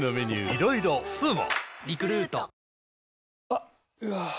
あっ、うわー。